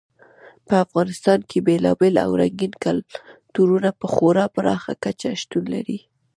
په افغانستان کې بېلابېل او رنګین کلتورونه په خورا پراخه کچه شتون لري.